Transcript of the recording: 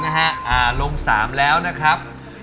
เอ้า๓แล้วนะครับ